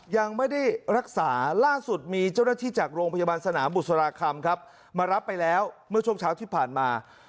ยังไม่ได้รักษาล่าสุดมีเจ้าหน้าที่จากโรงพยาบาลสนามบุษราคำครับมารับไปแล้วเมื่อช่วงเช้าที่ผ่านมา